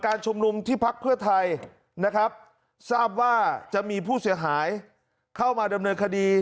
ชุมนุมที่พักเพื่อไทยนะครับทราบว่าจะมีผู้เสียหายเข้ามาดำเนินคดี